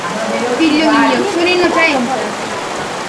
Figlio mio sono innocente!